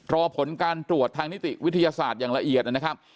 รอผลการตรวจทางนิติวิทยาศาสตร์อย่างละเอียดนะครับ